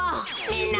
みんな！